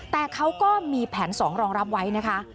แต่เขาก็มีแผน๒รองรับไว้นะคะ